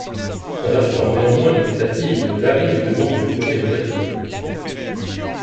Restant néanmoins dubitative, Larry lui demande de lui poser une vraie colle.